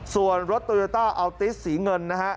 ส่วนรถโตโยต้าอัลติสสีเงินนะฮะ